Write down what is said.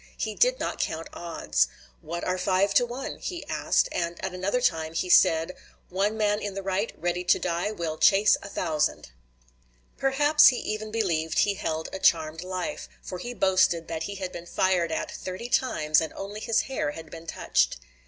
He did not count odds. "What are five to one?" he asked; and at another time he said, "One man in the right, ready to die, will chase a thousand." Perhaps he even believed he held a charmed life, for he boasted that he had been fired at thirty times and only his hair had been touched.